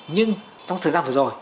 nhưng trong thời gian vừa rồi